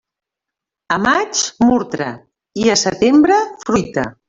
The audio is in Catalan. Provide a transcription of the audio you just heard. A maig murta, i a setembre fruita.